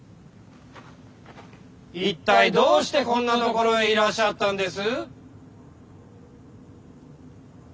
一体どうしてこんなところへいらっしゃったんです？